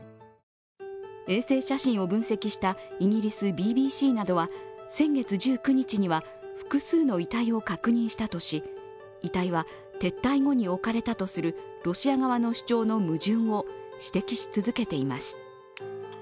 衛星写真を分析したイギリスＢＢＣなどは先月１９日には複数の遺体を確認したとし、遺体は撤退後に置かれたとするロシア側の主張の矛盾を指摘し続けています。